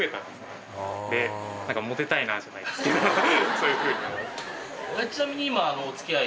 そういうふうに。